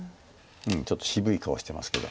ちょっと渋い顔してますけど。